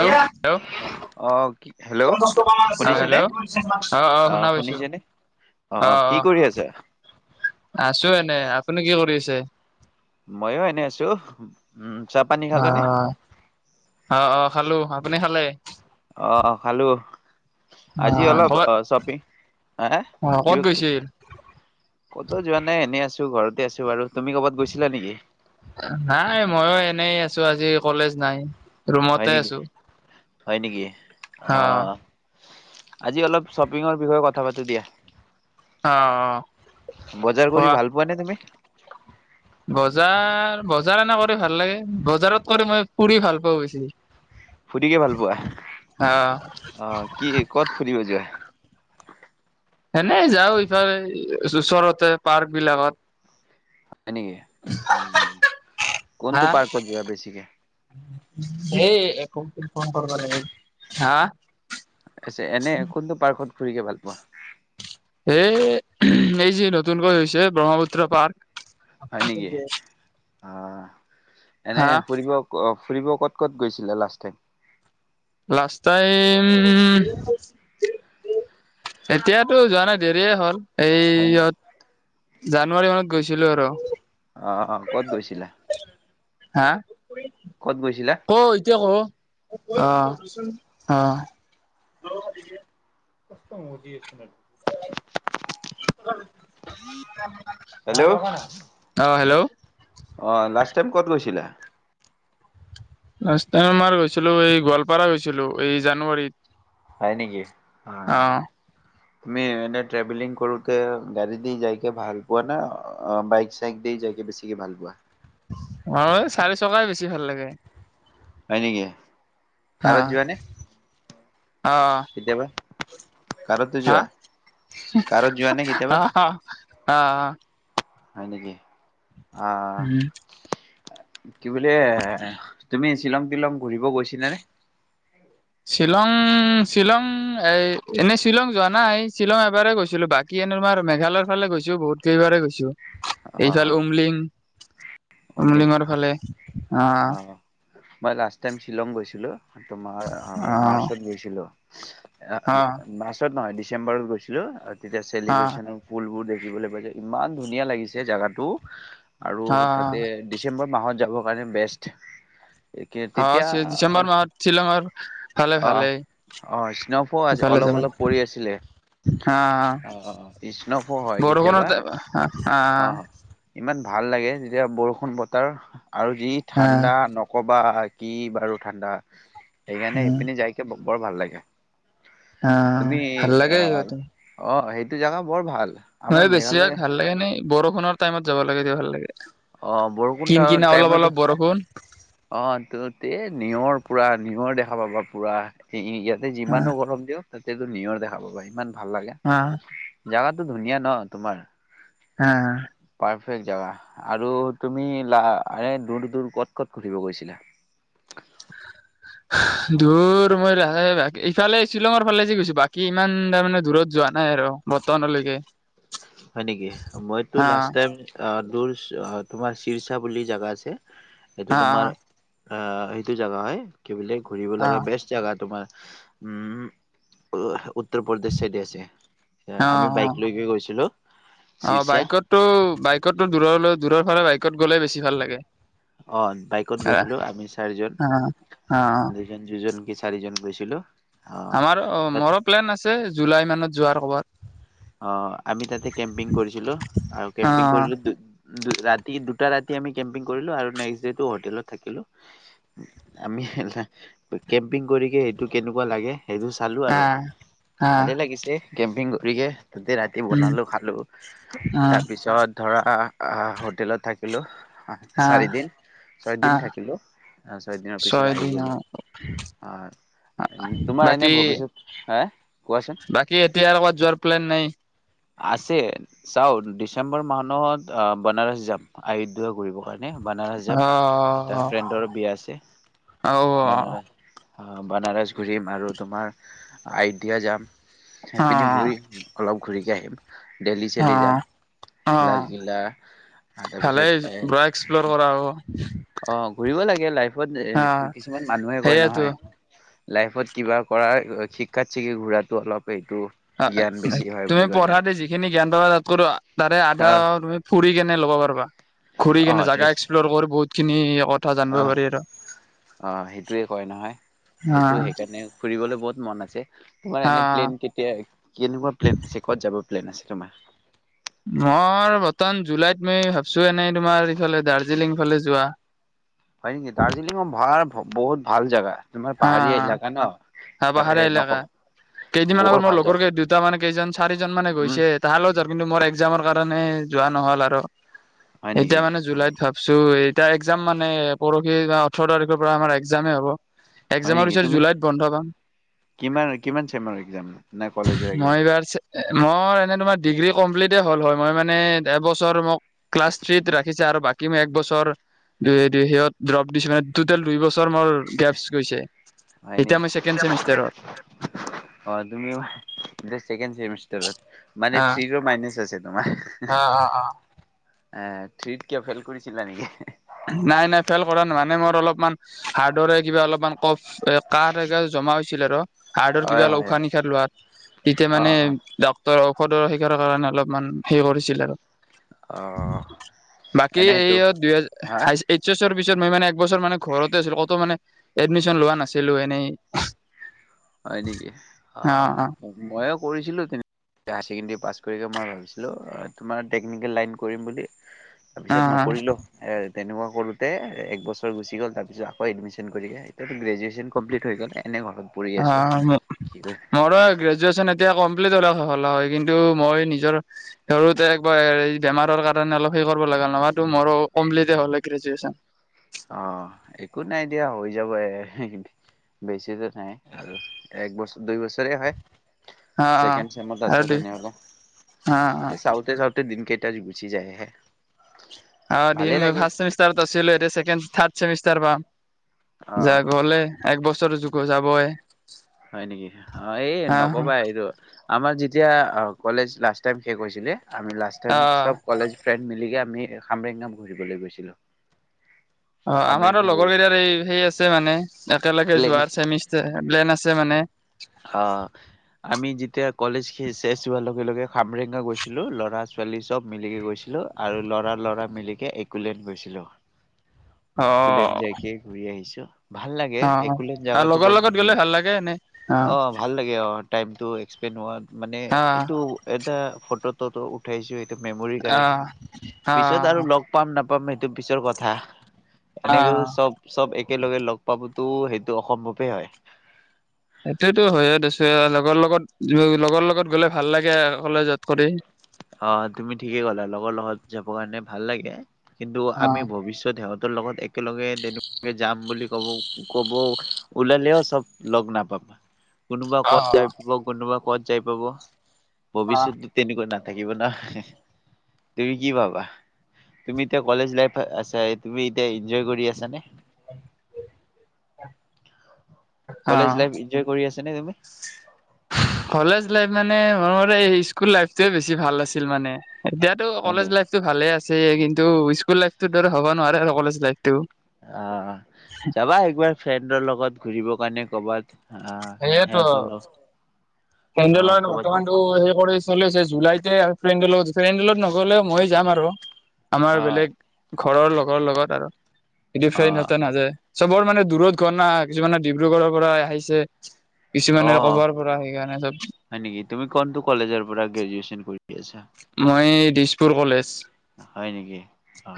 অঁ অ কি হেল্ল' শুনিছেনে হেল্ল' অঁ অঁ অ শুনা পাছো শুনিছেনে অ অ অঁ কি অঁ কৰি আছা আছো এনে আপুনি কি কৰি আছে। মইো এনে আছো উম। চাহ পানী খালানে অঁ অঁ অঁ খালো আপুনি খালে? অঁ খালো অ আজি অলপ ক'বাত অ শ্বপিং হ অ কি ক'ত গৈছিল কতো যোৱা নাই এনেই আছো। ঘৰতে আছো বাৰু। তুমি ক'বাত গৈছিলা নেকি নাই মইও এনেই আছো। আছো আজি কলেজ নাই। হয় ৰুমতে নেকি আছো হয় নেকি অ অঁ। আজি অলপ শ্বপিঙৰ বিষয়ে কথা পাতি দিয়া অ অ বজাৰ কৰি কোৱা ভাল পোৱা নে তুমি। বজাৰ বজাৰ এনে কৰি ভাল লাগে বজাৰত কৰি মই পুৰি ভাল পাওঁ বেছি। ফুৰিকে ভাল পোৱা অ আঁহ কি কত ফুৰিব যোৱা। এনে যাওঁ ইফালে ওচৰতে পাৰ্ক বিলাকত। হয় নেকি কোনটো হা পাৰ্কত যোৱা বেছিকৈ। সেই এক ফন কৰিব হাঁ। আছে এনে কোনটো পাৰ্কত। ফুৰি ভাল পোৱা। এই এই যি নতুনকৈ হৈছে ব্ৰহ্মপুত্ৰ পাৰ্ক। হয় নেকি অ এনে হা ফুৰিব। ফুৰিব ক'ত ক'ত গৈছিলে লাষ্ট টাইম। Last time. এতিয়াতো যোৱা নাই দেৰিয়ে হ'ল হয় এইয়া নেকি ত জানুৱাৰী মানত গৈছিলোঁ আৰু। অ অ ক'ত গৈছিলা হা ক'ত গৈছিলা ক এতিয়া ক অ অহ কসত মদি হেল্ল' অ হেল্ল' অ লাষ্ট টাইম ক'ত গৈছিলা। আ [unintelligible] তোমাৰ গৈছিলোঁ এই গোৱালপাৰা গৈছিলোঁ। গৈছিলোঁ, এই জানুৱাৰীত। হয় নেকি? অ। তুমি এনে ট্ৰেভেলিং কৰোতে গাড়ী দি যাইকে ভাল পোৱা না বাইক চাইক দি যাইকে বেছিকে ভাল পোৱা। মই চাৰি চকাই বেছি ভাল লাগে। হয় নেকি? অহা কাৰত যোৱা নে অহ কেতিয়াবা কাৰতো হা যোৱা কাৰত যোৱা নে কেতিয়াবা আহ। অঁ। হয় নেকি? অঁ। উম কি বুলে তুমি। শ্বিলং টিলং। ফুৰিব গৈছিলা নে? উম শ্বিলং এ এনেই শ্বিলং যোৱা নাই, শ্বিলং এবাৰেই গৈছিলো বাকী এনে তোমাৰ মেঘালয়ৰ ফালে গৈছো বহুত কেইবাৰেই গৈছো। অ এইফাল উমলিং অমলিং উমলিঙৰ ফালে। অহ। অ মই লাষ্ট টাইম শ্বিলং গৈছিলোঁ। তোমাৰ অ, মাৰ্চত গৈছিলোঁ অ মাৰ্চত নহয়। ডিচেম্বৰত গৈছিলোঁ। তেতিয়া চেলিব্ৰেশ্যন ফুলবোৰ দে। ফুৰিবলৈ পাইছোঁ ইমান ধুনীয়া লাগিছে জাগাটো। আৰু অ তাতে অ ডিচেম্বৰ মাহত যাব। মানে বে [unintelligible] আগষ্ট। অ, ডিচেম্বৰ মাহত শ্বিলঙৰ ফালে অ ভালেই, অ স্ন'ফো সিফালে অলপ অলপ পৰি আছিলে অহ অ স্ন'ফো হয় কেতিয়াবা বৰষুণৰ অহ। অ ইমান ভাল লাগে, যেতিয়া বৰষুণ বতৰ আৰু। অ ঠাণ্ডা নক'বা। কি বাৰু ঠাণ্ডা। সেইকাৰণে ইপিনে যাইকে ব। বৰ ভাল লাগে। অ, তুমি ভাল লাগে ইহঁতে। এইটো জেগা বৰ ভাল। আমাৰ নহয় বেছিয়ে মেঘালয় ভাল লাগে এনেই। বৰষুণৰ টাইমত যাব লাগে তেতিয়া ভাল লাগে। অ বৰষুণ কিন কিনা অলপ টাইমত অলপ বৰষুণ। অ ত তে নিয়ৰ পুৰা নিয়ৰ দেখা পাবা পুৰা ইয়াতে যিমানো গৰম দিওঁ তাতেতো নিয়ৰ দেখা পাবা ইমান ভাল লাগে অ জেগাতো ধুনীয়া ন তোমাৰ হে হে আছে জেগা আৰু তুমি দূৰ দূৰ ক'ত ক'ত সুধিব গৈছিলা দূৰ মই ইফালে শ্বিলঙৰ ফালে যি গৈছো বাকী ইমান তাৰমানে দূৰত যোৱা নাই আৰু বৰ্তমানলৈকে। হয় নেকি মইতো হা লাষ্ট টাইম দূৰ তোমাৰ চিৰিচা বুলি জাগা আছে এইটো হা তোমাৰ এ সেইটো জেগা হয় কি বোলে ঘূৰিব হা লাগে বেষ্ট জাগা তোমাৰ উম উ উ উত্তৰ প্ৰদেশ চাইডে আছে অ আমি বাইক অ লৈকে গৈছো অ বাইকটো বাইকটো দূৰলৈ দূৰৰত ত ইফালে বাইকত গ'লে বেছি ভাল লাগে অ বাইকত আহ গৈছিলো আমি চাৰিজন অ অ দুজন দুজন কি চাৰিজন গৈছিলো দিলো আমাৰ অ মোৰো প্লেন আছে জুলাই মানত যোৱাৰ ক'বাত অ আমি তাতে কেম্পিং কৰিছিলো আৰু অ কেম্পিং কৰিলো ৰাতি দুটা ৰাতি আমি কেম্পিং কৰিলো আৰু নেক্সট ডেটো হোটেলত থাকিলো আমি কেম্পিং কৰিকে সেইটো কেনেকুৱা লাগে।। সেইটো চালো অ আৰু অ ভালে লাগিছে কেম্পিং কৰিকে ৰাতি উম বনালোঁ খালোঁ অ তাৰপিছত ধৰা হোটেলত থাকিলোঁ। অ চাৰিদিন অ ছয়দিন থাকিলো আহ চয় দিনৰ পিছত ছয় আহি দিন অ গলো আহ তোমাৰ এনে বাকী ভৱিষ্যত হা কোৱাচোন বাকী এতিয়া আৰু ক'বাত যোৱাৰ প্লেন নাই আছে চাও ডিচেম্বৰ মাহত বনাৰস যাম আয়ুধ কৰিব কাৰণে নে বানাৰস অ যাম এটা ফ্ৰেণ্ডৰ বিয়া আছে অ অ বানাৰস। বানাৰস ঘূৰিম আৰু তোমাৰ আইডিয়া যাম অ সেইপিনি ভুৰি অলপ ঘূৰি ঘূৰি আহিম অ অ লালকিল্লা তাৰপিছত ভালে এ পুৰা এক্সপ্লৰ কৰা হব অ ঘূৰিব লাগে লাইফ কিমান হা এ কিছুমান মানুহে কয় সেইয়াতো নহয় লাইফত কিবা কৰা শিক্ষাত শিকি ঘূৰাতো অলপ সেইটো জ্ঞান বেছি হয় তুমি বুলি কয় ন পঢ়াতে [unintelligible] তাৰে আধা আহ তুমি ফুৰি কেনে নে লগৰ পৰিবা ঘূৰি কিনে তে জাগা এক্সপ্ল'ৰ কৰো বহুত খিনি কথা জানিব অ পাৰি আৰু আহ সেইটোৱে কয় নহয় হা সেইটো সেইকাৰণে ফুৰিবলৈ বহুত মন আছে তোমাৰ হা এনে প্লেন কেতিয়া কেনেকুৱা প্লেন আছে ক'ত যাব লেনছ ইচথমা। মই বৰ্তমান জুলাইত মে ভাবছো। ত এনেই তোমাৰ ইফালে দাৰ্জিলিং ফালে যোৱা। হয় নেকি দাৰ্জিলিংৰ ভ। বহুত ভাল জেগা। তোমাৰ হা পাহাৰীয়া এলেকা ন? হা এ পাহাৰীয়া, নক এলেকা কেইদিনমান বৰ আগত মোৰ ভাল লগৰ জেগা কেই দুটা মানে কেইজন চাৰিজন মানে উম গৈছে তাহালাৰ কিন্তু মোৰ একজামৰ কাৰণে। মানে যোৱা নহল আৰু। হয় নেকি এতিয়া মানে অ জুলাইত ভাবছো এই। এতিয়া একজাম মানে পৰহি ওঠৰ তাৰিখৰ পৰা আমাৰ একজামে হ'ব। হয় এক্জামৰ নেকি বিচয়ৰত তুমি জুলাইত বন্ধ ন। কিমান কিমান চেমৰ এক্জাম নে কলেজৰ এক্াম। এইবাৰ মই এনে তোমাৰ ডিগ্ৰী কমপ্লিট হল হয় মই মানে এবছৰ মোক ক্লাছ থ্ৰীত ৰাখিছে আৰু বাকী মই এক বছৰ দু সিহত ড্ৰপ দিছো মে ট দুই বছৰ। গৈ হয় এতিয়া নেকি মই। চেমিষ্টাৰত। অ তুমি ছেকেণ্ডেমষ্টাৰত মানে থো মাইনাচ আছে তোমাৰ। অ অ অ এ থ্ৰিট কিয় ফেইল কৰিছিলা নেকি। নাই নাই ফেইল কৰা নহানে মোৰ অলপমান হাৰ্ডৰে কিবা অলপমান কফ এ ক এ জমা হৈছিল আৰু। হাৰ্টৰ কিবা হয় অ হয় উশাহ নিশাহ লোৱাত তেতিয়া অ মানে অ ডাক্তৰৰ। সঔদৰ শিকাৰৰ কাৰণে অলপমান হে কৰিছিল আৰু। অ বাকী এই এনেইতো দুই হেজাৰ। হা এই পিছত মই মানে একবছৰ মানে ঘৰতে আছিলো কত মানে এডমিশন লোৱা নাছিলো এনেই। হয় নেকি অ মই কৰিছিলোঁ তেনে হায়াৰ ছেকেণ্ডেৰী পাছ কৰিকৈ মই ভাবিছিলোঁ তোমাৰ টেকনিকেল লাইন কৰিম বুলি। অ তাৰপিছত নকৰিলো এ। তেনেকুৱা কৰোঁতে এক বছৰ গুচি গ'ল তাৰপিছ আকৌ এডমিশ্যনগৈ এতিয়াতো গ্ৰেজুৱেশ্যন কমপ্লিট হৈ গ'ল এনে ঘৰত। পঢ়ি অ আছো কি কয় মো গ্ৰেজুৱেচন এতিয়া কম হয় কিন্তু মই নিজৰ সৰুতে বেমাৰৰ কাৰণে অলপ সেই কৰিব লগা নহয় টো মোৰ কম্প্লিতে হ'লহৈ গ্ৰেজুৱেচন অ একো নাই দিয়া হৈ যাব এ বেছি নাই আৰু এক বছৰ দুই বছৰে হয়। অ অ ছেকেণ্ড চেমত আৰু আছে দুই তেনেহলে। অ অ এ চাতে চাওঁতে দিনকেই। গুচি যায়হে। ভালে দিম অ লাগে ফাৰ্ষমিষ্টাৰত আছিলো এতিয়া ছেকেণ্ড থাৰ্ড চেমিষ্টাৰ পাম অ যাক গ'লে একবছৰ যুগো যাবই। হয় নেকি অঁ এই নক'বা এইটো। আমাৰ যেতিয়া কলেজ লাষ্ট টাইম শেষ কৰিছিলে। আমি লাষ্ট টাইম অ সব কলেজ ফ্ৰেণ্ড মিলিকে আমি খামৰেংগাম ঘূৰিবলৈ গৈছিলো। অ আমাৰো খামৰেঙা ঘূৰি লগৰ কেইটাৰ এই সেই আছে মানে। একেলগে প্লেন যোৱাৰ চেমি প্লেন আছে মানে। অ আমি যেতিয়া কলেজ চেছ হোৱাৰ লগে লগে খামৰেঙা গৈছিলো। লৰা ছোৱালী চব মিলিকে গৈছিলো আৰু লৰা লৰা মিলিকে একলেণ্ড গৈছিলো। অ একলেণ্ড যাই কে ঘূৰি আহিছো। ভাল লাগে অ একলেণ্ড আৰু জোগাতটো লগৰ বৰ লগত গ'লে ধুনীয়া। ভাল লাগে এনে অ' ভাল লাগে অ' টাইমটো একসপেণ্ড হোৱাত মানে অ এইটো এটা ফটোত ফটোটো উঠাইছোৱে। মেমৰি অ কাৰণে অ পিছত আৰু লগ পাম নাপাম। পাম এইটো পিছৰ কথা। অ এনেকেও চব- চব একেলগে লগ পাব টো সেইটো অসম্ভৱেই হয়। সেইটোয়তো হয়য়ে দিছো লগৰ লগত লগৰ লগত গ'লে ভাল লাগে অকলে যোৱাত কৰি। অ' তুমি ঠিকে ক'লা লগৰ লগত যাব কাৰণে ভাল লাগে। কিন্তু অ আমি ভৱিষ্যত সিহঁত। ত লগত একেলগে তেনেকুৱাকে যাম বুলি কব কব ওলালেও চব লগ নাপাবা। কোনোবা অ [unintelligible] কোনোবা ক'ত যাই পাব। অ ভৱিষ্যতো তেনেকুৱা না। থাকিব ন' তুমি কি ভাবা তুমি এতিয়া কলেজ লাইফ আছ তুমি এতিয়া এনজয় কৰি আছানে? অ কলেজ লাইফ এনজয় কৰি আছা? আছানে তুমি? কলেজ লাইফ মানে মই ভাবো স্কুল লাইফটোৱে বেছি ভাল আছিল মানে। এতিয়াতো হয় কলেজ নে লাইফতটো ভালে আছে। সআছে কিন্তু স্কুল লাইফতো দৰে হ'ব নোৱাৰে আৰু কলেজ লাইফ। অ 'যাবা একবাৰ ফ্ৰেণ্ডৰ লগত। ঘুৰিবৰ কাৰণে কৰ'বাত। অ ' সেহেতৰ লগত। [unintelligible] বৰ্তমান টো সে কৰি জুলাইতে [unintelligible] ফ্ৰেণ্ডৰ লগত নগ'লে মই যাম আৰু আমাৰ আহ বেলেগ ঘৰৰ লগৰ লগত আৰু এটো ফ্ৰেণ্ড আহ হতে নযায়। চবৰ মানে দূৰত ঘৰ কিছুমানে ডিব্ৰুগড়ৰ পৰা আহিছে। অ কিছুমানে কবাৰ পৰা সেইকাৰণে চব হয় নেকি তুমি কোনটো কলেজৰ পৰা গ্ৰেজুুৱচন কৰি আছা মই দিছপুৰ কলেজ হয় নেকি অ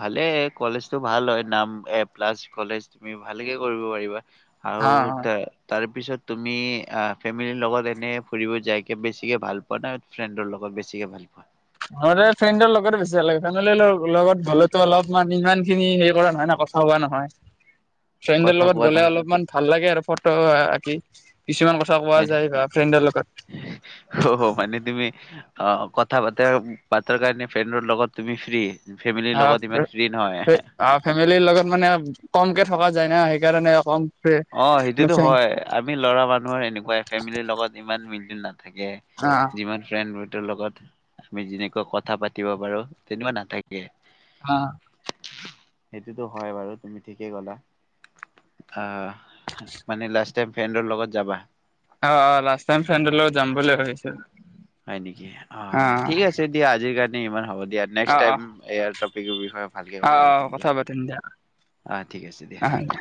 ভালে কলেজটো ভাল হয় নাম এ প্লাছ কলেজ তুমি ভালকে কৰিব পাৰিবা আৰু অ ত তাৰে তাৰ পিছত তুমি আহ ফেমিলিৰ লগত এনে ফুৰিব যাইকে বেছিকে ভাল পোৱা না ফ্ৰেণ্ডৰ লগত বেছিকে ভাল পোৱা ম ফ্ৰেণ্ডৰ লগত বেছি ভাল লাগে ফেমিৰ লগত গ'লেতো অলপমান ইমান খিনি। কৰা নহয় ন কথা হোৱা নহয় ফ্ৰেণ্ডৰ কথা লগত কোৱা ন গ'লে অলপমান। ভাল লাগে আৰু ফটো আকি হয় মানে তুমি আহ ক কথা পাতা পাতৰ কাৰণে ফ্ৰেণ্ডৰ লগত তুমি ফ্ৰী ফেমিলিৰ লগত ইমান ফ্ৰী নহয় ফেমিলিৰ লগত মানে কমকে থকা যাই না সেইকাৰণে অ কম অ সেইটোতো হয় আমি লৰা মানুহৰ এনেকুৱাই ফেমিলিৰ লগত ইমান মিল জুল নাই থাকে অ', যিমান ফ্ৰেণ্ড লগত আমি যেনেকুৱা কথা পাতিব পাৰো তেনেকুৱা নাথাকে অ সেইটোতো হয় বাৰু তুমি ঠিকেই গলা আহ মানে লাজ ফ্ৰেণ্ডৰ লগত যাবা অ অ লাষ্ট ফেণ্ডৰ আহ লগত যাম বুলি ভাবিছোঁ চ [inaudible] হয় নেকি অ ঠিক আছে দিয়া আজি কাৰনে ইমান হ'ব দিয়া নেক্সট টাইম টপিক বিষয় আহ কথা পাতিম দিয়া অ ঠিক আছে দিয়া আহ দে